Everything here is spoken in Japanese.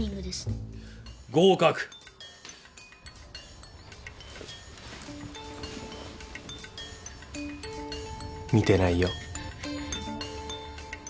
合格見てないよ。